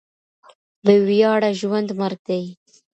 بې وياړه ژوند مرګ دی.